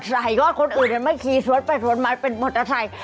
เพราะว่าคนอื่นไม่ขี่สวดไปสวดมาเป็นมอเตอร์ไทย